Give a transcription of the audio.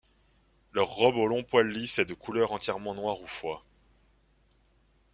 Leur robe au long poils lisses est de couleur entièrement noire ou foie.